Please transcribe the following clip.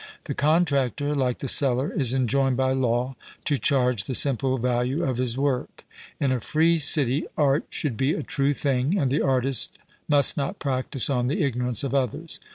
The contractor, like the seller, is enjoined by law to charge the simple value of his work; in a free city, art should be a true thing, and the artist must not practise on the ignorance of others.